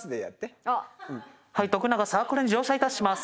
徳永サークルに乗車いたします。